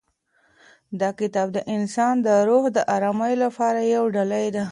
دا کتاب د انسان د روح د ارامۍ لپاره یوه ډالۍ ده.